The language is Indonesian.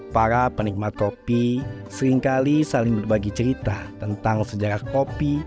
para penikmat kopi seringkali saling berbagi cerita tentang sejarah kopi